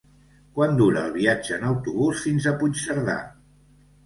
Quant dura el viatge en autobús fins a Puigcerdà?